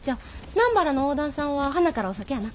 南原の大旦さんははなからお酒やな。